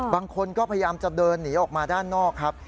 บางคนก็พยายามจะเดินหนีออกมาด้านนอกครับ